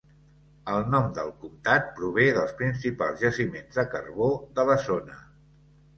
El nom del comtat prové dels principals jaciments de carbó de la zona.